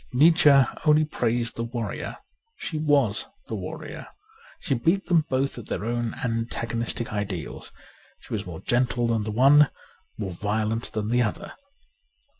Nietzsche only praised the warrior ; she was the warrior. She beat them both at their own antagonistic ideals ; she was more gentle than the one, more violent than the other.